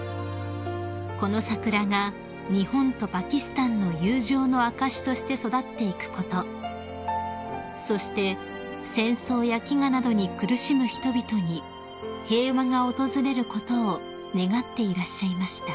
［この桜が日本とパキスタンの友情の証しとして育っていくことそして戦争や飢餓などに苦しむ人々に平和が訪れることを願っていらっしゃいました］